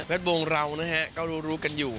แวดวงเราก็รู้กันอยู่